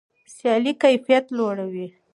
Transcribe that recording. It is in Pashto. سیالي کیفیت لوړوي.